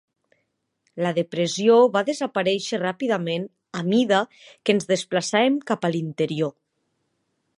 La depressió va desaparèixer ràpidament a mida que ens desplaçàvem cap a l"interior.